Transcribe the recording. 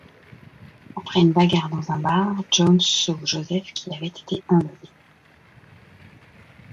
Après une bagarre dans un bar, Jones sauve Joseph qui avait été enlevé.